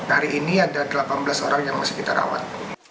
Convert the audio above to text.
hari ini ada delapan belas orang yang masih kita rawat